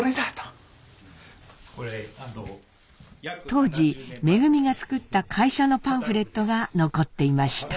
当時恩が作った会社のパンフレットが残っていました。